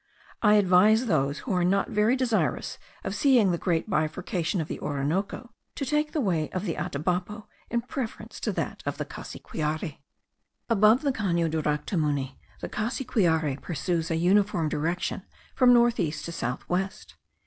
I advise those who are not very desirous of seeing the great bifurcation of the Orinoco, to take the way of the Atabapo in preference to that of the Cassiquiare. Above the Cano Duractumuni, the Cassiquiare pursues a uniform direction from north east to south west.